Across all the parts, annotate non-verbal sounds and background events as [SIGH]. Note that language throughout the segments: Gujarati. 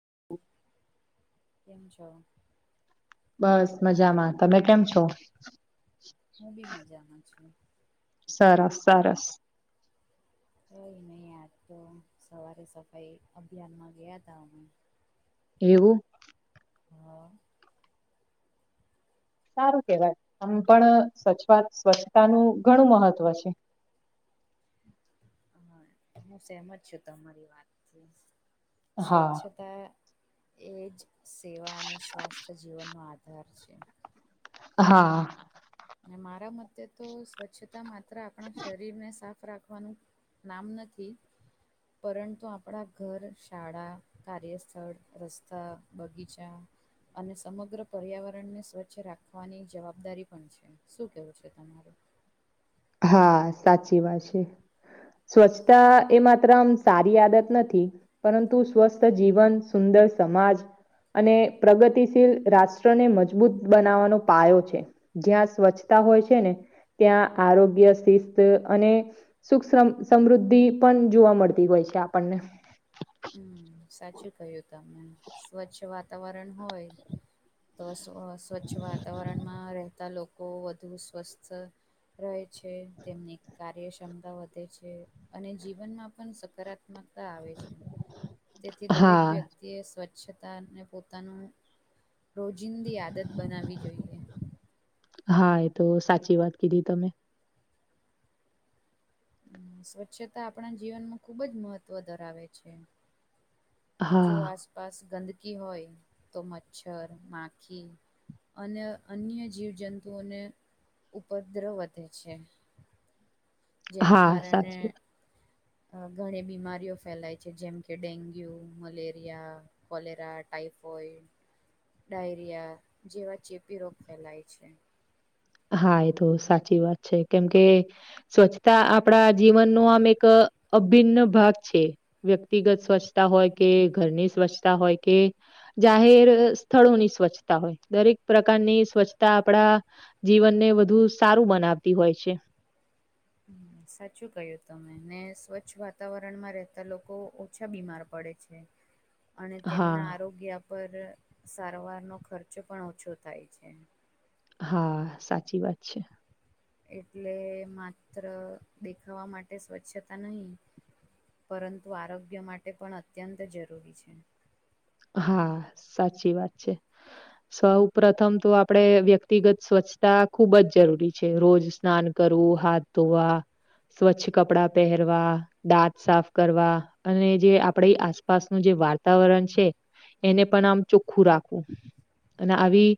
[INAUDIBLE] કેમ છો? બસ મજામાં. તમે કેમ છો? હું બી મજામાં છું. સરસ સરસ. એજ ને આ તો સવારે સફાઈ અભિયાન માં ગયા તા અમે એવું હા. સારું કેવાય આમ પણ સ્વચ સ્વચ્છતા નું ઘણું મહત્વ છે. હા હું સહમત છું તમારી વાતથી. હા સ્વચ્છતા એ જ સેવા અને સ્વાસ્થ્ય જીવનનો આધાર છે. હા. ને મારા મતે તો સ્વચ્છતા માત્ર આપણા શરીર ને સાફ રાખ [UNINTELLIGIBLE] નું નામ નથી પરંતુ આપણા ઘર શાળા કાર્યસ્થળ રસ્તા બગીચા અને સમગ્ર પર્યાવરણને સ્વચ્છ રાખવાની જવાબદારી પણ છે શું કેવું છે તમારું હા સાચી વાત છે સ્વચ્છતા એ માત્ર આમ સારી આદત નથી પરંતુ સ્વસ્થ જીવન સુંદર સમાજ અને પ્રગતિશીલ રાષ્ટ્રને મજબૂત બનાવવાનો પાયો છે જ્યાં સ્વચ્છતા હોય છે ને ત્યાં આરોગ્ય શિસ્ત અને સુખ સમ સમૃદ્ધિ પણ જોવા મળતી હોય છે આપણને હમ્મ સાચું કય્યું તમે સ્વચ્છ વાતાવરણ હોય તો સ્વ સ્વચ્છ વાતાવરણમાં રહેતા લોકો વધુ સ્વસ્થ રહે છે તેમની કાર્યસમતા વધે છે અને જીવનમાં પન સકારાત્મકતા આવે છે તેથી દરેક હા વ્યક્ તિ એ સ્વચ્છતાને પોતાનું રોજિંદી આદત બનાવવી જોઈએ હા એ તો સાચી વાત કીધી તમે સ્વચ્છતા આપણા જીવનમાં ખુબ જ મહત્વ ધરાવે છે જો હા, આસપાસ ગંદકી હોય તો મચ્છર માખી અને અન્ય જીવજંતુઓને ઉપદ્રવ વધે છે જેના હા, કારણે સાચી ઘણી બીમારીઓ ફેલાય છે જેમ કે dengue malaria cholera typhoid diarrhoea જેવા ચેપી રોગ ફેલાય છે હા એ તો સાચી વાત છે કેમ કે સ્વચ્છતા આપણા જીવનનો આમ એક અભિન્ન ભાગ છે વ્યક્તિગત સ્વચ્છતા હોય કે ઘરની સ્વચ્છતા હોય કે જાહેર સ્થળોની સ્વચ્છતા હોય દરેક પ્રકારની સ્વચ્છતા આપડા જીવનને વધુ સારું બનાવતી હોય છે. સાચું કહ્યું તમે ને સ્વચ્છ વાતાવરણમાં રહેતા લોકો ઓછા બીમાર પડે છે. [UNINTELLIGIBLE] અને હા, તેમના આરોગ્ય પર સારવારનો ખર્ચો પણ ઓછો થાય છે. હા સાચી વાત છે. એટલે માત્ર દેખાવા માટે સ્વચ્છતા નહી. પરંતુ આરોગ્ય માટે પણ અત્યંત જરૂરી છે. હા સાચી વાત છે. સૌ પ્રથમ તો આપડે વ્યક્તિગત સ્વચ્છતા ખુબ જ જરૂરી છે રોજ સ્નાન કરવું હાથ ધોવા સ્વચ્છ કપડા પહેરવા દાંત સાફ કરવા અને જે આપડી આસપાસનું જે વાતાવરણ છે. એને પણ આમ ચોખ્ખું રાખવું અને આવી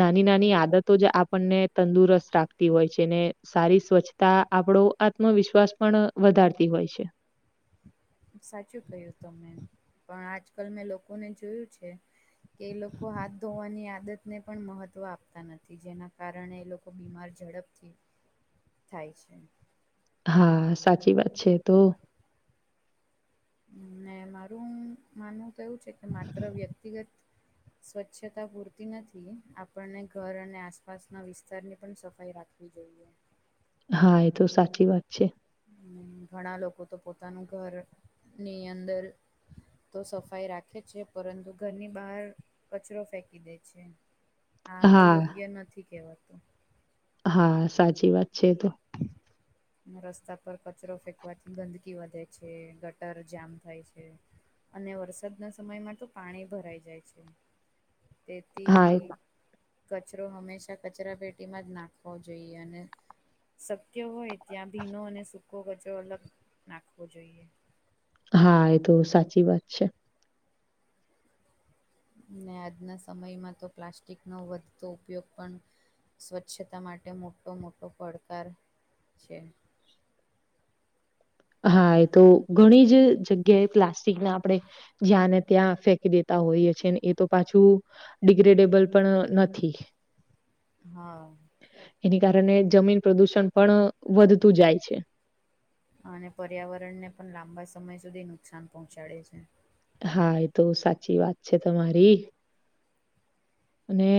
નાની નાની આદતો જ આપણને તંદુરસ્ત રાખતી હોય છેને સારી સ્વચછ તાં આપડો આત્મવિશ્વાસ પણ વધારતી હોય છે. સાચું કહ્યું તમે પણ આજકાલ મેં લોકોને જોયું છે. કે એ લોકો હાથ ધોવાની આદત ને પણ મહત્ત્વ આપતા નથી જેના કારણે એ લોકો બીમાર ઝડપથી થાય છે. હા સાચી વાત છે એ તો. હમ્મ. ને મારું માનવું તો એવું છે કે માત્ર વ્યક્તિગત સ્વચ્છતા પૂરતી નથી, આપણને ઘર અને આસપાસના વિસ્તારની પણ સફાઈ રાખ [UNINTELLIGIBLE] હા એ તો સાચી વાત છે. હમ્મ. ઘણા લોકો તો પોતાનું ઘરની અંદર તો સફાઈ રાખે છે, પરંતુ ઘરની બહાર કચરો ફેંકી દે છે. હા તો યોગ્ય નથી કહેવાતું. હા સાચી વાત છે એ તો. [INAUDIBLE] અને રસ્તા પર કચરો ફેંકવાથી ગંદકી વધે છે, ગટર જામ થાય છે. અને વરસાદના સમયમાં તો પાણી ભરાઈ જાય છે. હા, એ તેથી કચરો હંમેશા કચરા પેટીમાં જ નાખવો જોઈએ. અને શક્ય હોય ત્યાં ભીનો અને સૂકો કચરો અલગ નાખવો જોઈએ. હા એ તો સાચી વાત છે. ને આજના સમયમાં તો પ્લાસ્ટિકનો વધતો ઉપયોગ પણ સ્વચ્છતા માટે મોટો-મોટો પડકાર છે. હા. એ તો ઘણી જ જગ્યાએ પ્લાસ્ટિક ના આપણે જ્યાં ને ત્યાં ફેંકી દેત તા હોઈએ છે. ને એ તો પાછું ડિગ્રેડેબલ પણ નથી. હા. એની કારણે જમીન પ્રદુષણ પણ વધતું જાય છે. અને પર્યાવરણને પણ લાંબા સમય સુધી નુકસાન પહોંચાડે છે. હા એ તો સાચી વાત છે તમારી. અને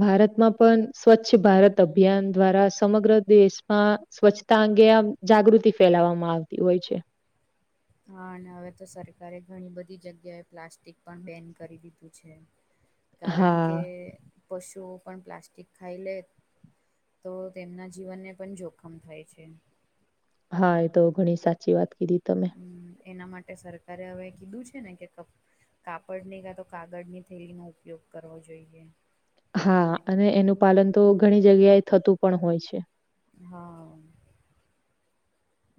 ભારતમાં પન સ્વચ્છ ભારત અભિયાન દ્વારા સમગ્ર દેશમાં સ્વચ્છતા અંગે આમ જાગૃતિ ફેલાવવામાં આવતી હોય છે. હા. અને હવે તો સરકારે ઘણી બધી જગ્યાએ પ્લાસ્ટિક પન બેન કરી દીધું છે. કારણ હા, કે પશુઓ પણ પ્લાસ્ટિક ખાઈ લે તો તેમના જીવનને પણ જોખમ થાય છે. હા એ તો ઘણી સાચી વાત કીધી. તમે. હમ્મ. એના માટે સરકારે હવે કીધું છે ને કે કપ કાપડની કાં તો કાગળ ની થેલીનો ઉપયોગ કરવો જોઈએ. હા અને એનું પાલન તો ઘણી જગ્યાએ થતું પણ હોય છે. હા.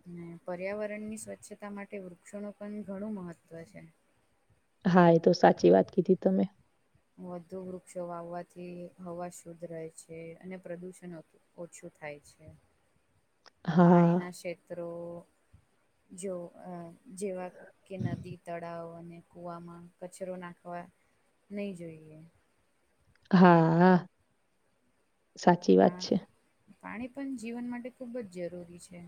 અને પર્યાવરણની સ્વચ્છતા માટે વૃક્ષોનું પણ ઘણું મહત્ત્વ છે. હા, એ તો સાચી વાત કીધી તમે. વધુ વૃક્ષો વાવવાથી હવા શુદ્ધ રહે છે, અને પ્રદુષણ ઓછું થાય છે. હા, પાણીના ક્ષેત્રો જો અહ જેવા કે નદી, તળાવ અને કુવામાં કચરો નાખવા નહીં જોઈએ. હા, હા, સાચી વાત પા છે. પાણી પણ જીવન માટે ખૂબ જ જરૂરી છે.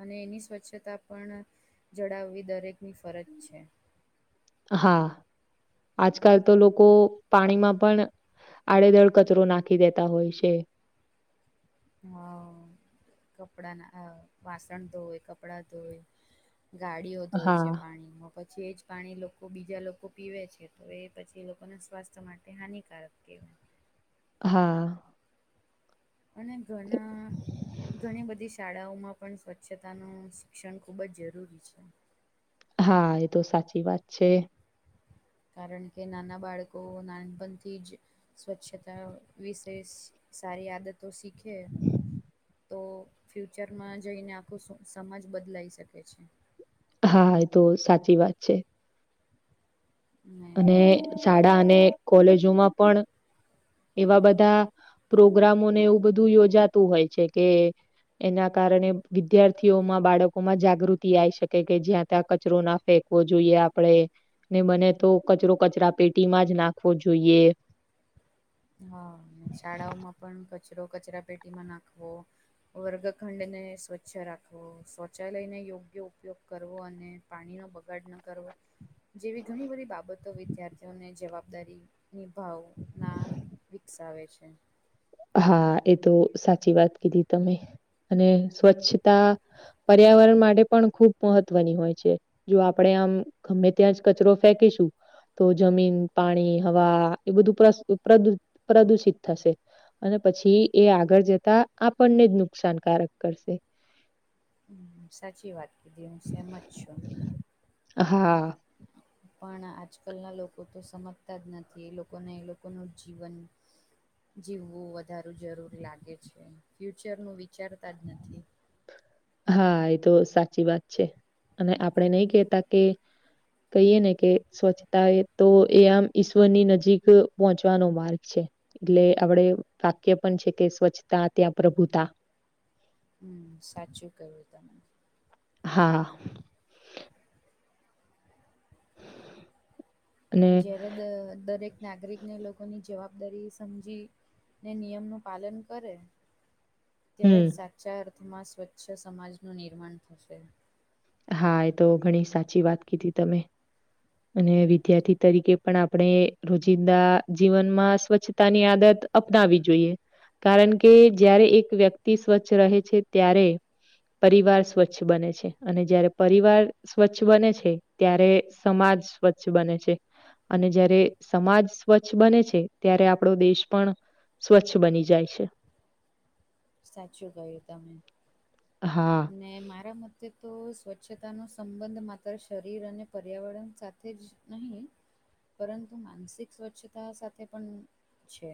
અને એની સ્વચ્છતા પણ જળાવવી દરેકની ફરજ છે. હા. આજકાલ તો લોકો પાણીમાં પણ આડેધડ કચરો નાખી દેતા હોય છે. હા કપડા ના અ વાસણ ધોય, કપડાં ધોય. ગાડીઓ ધોય છે હા, પાણી મો પછી એ જ પાણી લોકો બીજા લોકો પીવે છે, તો એ પછી એ લોકોને સ્વાસ્થ્ય માટે હાનિકારક કહેવાય. હા. અને ઘણા ઘણી બધી શાળાઓમાં પણ સ્વચ્છતાનું શિક્ષણ ખૂબ જ જરૂરી છે. હા એ તો સાચી વાત છે. કારણ કે નાના બાળકો નાનપણથી જ સ્વચ્છતા વિશે સારી આદતો શીખે તો ફ્યુચરમાં જઈને આખો સમાજ બદલાઈ શકે છે. હા એ તો સાચી વાત છે. ને અને શાળા અને કોલેજો માં પણ એવા બધા પ્રોગ્રામોને એવું બધું યોજાતું હોય છે કે એના કારણે વિદ્યાર્થીઓમાં, બાળકો માં જાગૃતિ આયી શકે કે જ્યાં ત્યાં કચરો ના ફેંક ફેંકવો જોઈએ આપડે ને બને તો કચરો કચરા પેટીમાં જ નાખવો જોઈએ. હા ને શાળાઓમાં પણ કચરો કચરા પેટીમાં નાખવો. વર્ગખંડને સ્વચ્છ રાખવો. શૌચાલયને યોગ્ય ઉપયોગ કરવો અને પાણીનો બગાડ ન કરવો જેવી ઘણી બધી બાબતો વિદ્યાર્થીઓને જવાબદારી ની ભાવના વિકસાવે છે. હા એ તો સાચી વાત કીધી તમે અને સ્વચ્છતા પર્યાવરણ માટે પણ ખુબ મહત્વની હોય છે. જો આપણેે આમ ગમે ત્યાં જ કચરો ફેંકીશું તો જમીન, પાણી, હવા એ બધું પર્સ પ્રદુષિત થશે. અને પછી એ આગળ જતા આપણને જ નુકસાનકારક કરશે. સાચી વાત કીધી હું સહેમત છું. હા. [INAUDIBLE] પણ આજકાલના લોકો તો સમજતા જ નથી એ લોકોને એ લોકોનું જીવન જીવવું વધારે જરૂરી લાગે છે ફ્યુચર નું વિચારતા જ નથી. હા. એ તો સાચી વાત છે અને આપણે નય કેતા કે કહીએ ને કે સ્વચ્છતા એ તો એ આમ ઈશ્વરની નજીક પહોંચવાનો માર્ગ છે. એટલે આપડે વાક્ય પણ છે કે સ્વચ્છતા ત્યાં પ્રભુતા. હમમ. સાચું કહ્યું તમે. હા. અને જ્યારે દ દરેક નાગરિકને લોકોની જવાબદારી સમજી ને નિયમનું પાલન કરે ત્યારે હમ જ સાચા અર્થમાં સ્વચ્છ સમાજનું નિર્માણ થશે. હા એ તો ઘણી સાચી વાત કીધી તમે અને વિદ્યાર્થી તરીકે પણ આપણે રોજિંદા જીવનમાં સ્વચ્છતા ની આદત અપનાવી જોઈએ. કારણ કે જ્યારે એક વ્યક્તિ સ્વચ્છ રહે છે ત્યારે પરિવાર સ્વચ્છ બને છે. અને જયારે પરિવાર સ્વચ્છ બને છે ત્યારે સમાજ સ્વચ્છ બને છે. અને જયારે સમાજ સ્વચ્છ બને છે ત્યારે આપણો દેશ પણ સ્વચ્છ બની જાય છે. સાચું કહ્યું તમે. હા. ને મારા મતે તો સ્વચ્છતાનો સંબંધ માત્ર શરીર અને પર્યાવરણ સાથ થેજ નહી પરંતુ માનસિક સ્વચ્છતા સાથે પણ છે.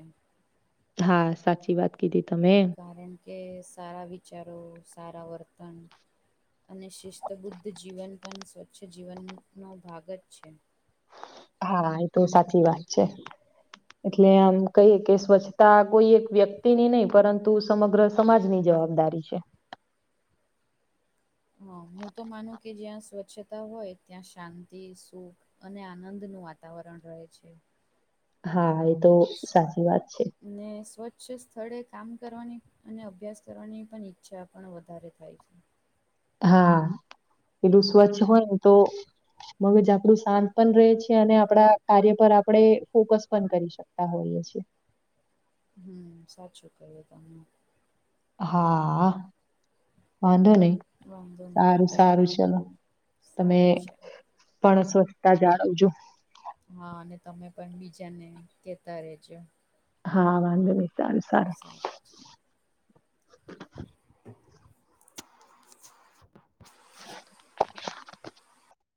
હા સાચી વાત કીધી તમે. કારણ કે સારા વિચારો સારા વર્તન અને શિસ્તબુદ્ધ જીવન પન સ્વચ્છ જીવનનોો ભાગ જ છે. હા એ તો સાચી વાત છે. એટલે આમ કહીએ કે સ્વચ્છતા કોઈ એક વ્યક્તિ ની નહી પરંતુ સમગ્ર સમાજ ની જવાબદારી છે. હા હું તો માનું કે જ્યાં સ્વચ્છતા હોય ત્યાં શાંતિ સુખ અને આનંદ નું વાતાવરણ રહે છે. હા એ તો સાચી વાત છે. અને સ્વચ્છ સ્થળે કામ કરવાની અને અભ્યાસ કરવાની પણ ઈચ્છા પણ વધારે થાય છે. હા પેલું સ્વચ્છ હોય ને તો મગજ આપડું શાંત પણ રહે છે અને આપડા કાર્ય પર આપડે ફોકસ પન કરી શક તા હોઈએ છે. હમ સાચું કરીએ તમને. હા વાંધો નહી. વાંધો નહી સારું કઈ સારું નહી ચલો તમે સારું છે પણ સ્વચ્તા જાળવજો. હા અને તમે પણ બીજાને કેતા રેજો. હા વાંધો નહી સારું સારો. સારું છે.